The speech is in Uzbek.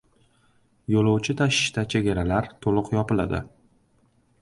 Yo‘lovchi tashishda chegaralar to‘liq yopiladi